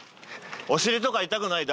お尻とか痛くない？